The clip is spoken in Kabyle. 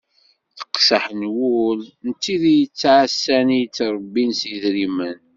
Teqsaḥ n wul n tid i yettɛassan i yettrebbin s yedrimen.